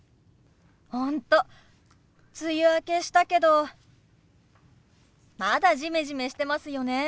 本当梅雨明けしたけどまだジメジメしてますよね。